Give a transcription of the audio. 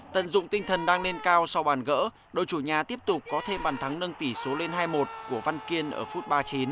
tận dụng tinh thần đang lên cao sau bàn gỡ đội chủ nhà tiếp tục có thêm bàn thắng nâng tỷ số lên hai mươi một của văn kiên ở phút ba mươi chín